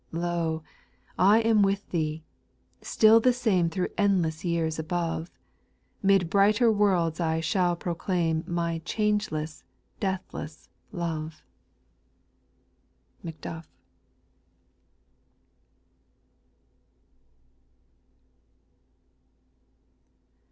6. " Lo I I am with thee," still the same Through endless years above ; 'Mid brighter worlds I shall proclaim, My changeless, deathless love 1 MACDUFF.